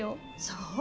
そう？